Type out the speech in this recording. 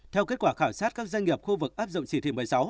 theo kết quả khảo sát các doanh nghiệp khu vực áp dụng chỉ thị một mươi sáu